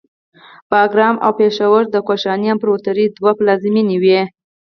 باګرام او پیښور د کوشاني امپراتورۍ دوه پلازمینې وې